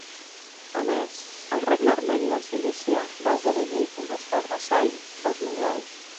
A més, el regne armeni de Cilícia va esdevenir un estat vassall dels mongols.